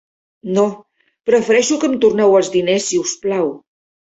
No, prefereixo que em torneu els diners si us plau.